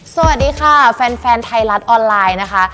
สวัสดีค่ะแฟนไทยรัฐออนไลน์นะคะ